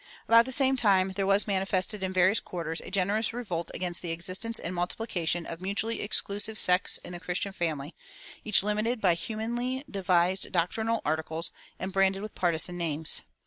About the same time there was manifested in various quarters a generous revolt against the existence and multiplication of mutually exclusive sects in the Christian family, each limited by humanly devised doctrinal articles and branded with partisan names.